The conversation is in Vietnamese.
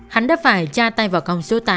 hắn đã phải tra tay vào còng số tám